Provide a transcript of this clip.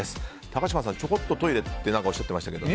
高嶋さん、ちょこっとトイレっておっしゃってましたけど。